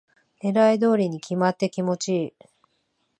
狙い通りに決まって気持ちいい